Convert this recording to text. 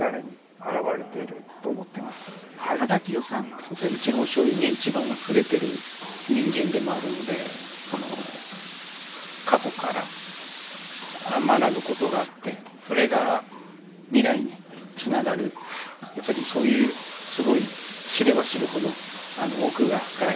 そうですねうちの醤油に一番触れてる人間でもあるので過去から学ぶことがあってそれが未来につながるやっぱりそういうすごい知れば知るほど奥が深い。